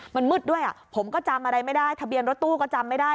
มันมืดด้วยอ่ะผมก็จำอะไรไม่ได้ทะเบียนรถตู้ก็จำไม่ได้